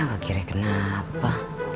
gua kira kenapa